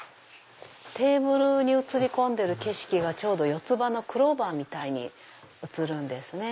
テーブルに映り込んでる景色が四つ葉のクローバーみたいに映るんですね。